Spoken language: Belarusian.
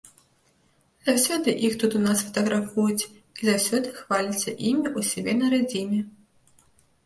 Заўсёды іх тут у нас фатаграфуюць і заўсёды хваляцца імі ў сябе на радзіме.